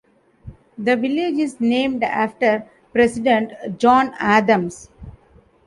The village is named after President John Adams.